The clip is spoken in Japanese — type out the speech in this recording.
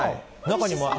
中にも。